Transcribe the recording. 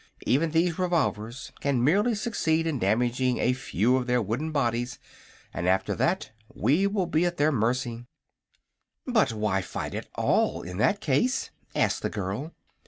Even these revolvers can merely succeed in damaging a few of their wooden bodies, and after that we will be at their mercy." "But why fight at all, in that case?" asked the girl.